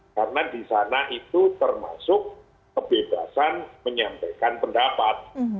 karena di sana itu termasuk kebebasan menyampaikan pendapat